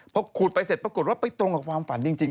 พอขูดไปเสร็จปรากฏว่าไปตรงกับความฝันจริง